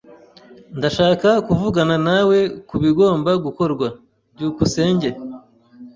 Ndashaka kuvugana nawe kubigomba gukorwa. byukusenge